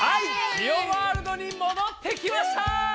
ジオワールドにもどってきました！